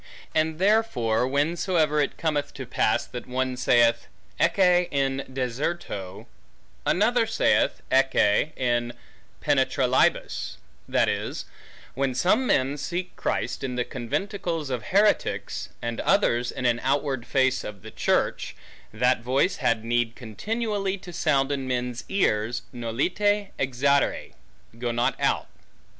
And therefore, whensoever it cometh to that pass, that one saith, Ecce in deserto, another saith, Ecce in penetralibus; that is, when some men seek Christ, in the conventicles of heretics, and others, in an outward face of a church, that voice had need continually to sound in men's ears, Nolite exire, Go not out.